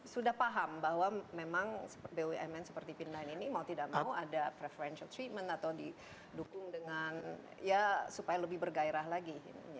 sudah paham bahwa memang bumn seperti pin line ini mau tidak mau ada preferential treatment atau didukung dengan ya supaya lebih bergairah lagi